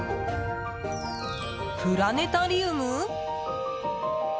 プラネタリウム？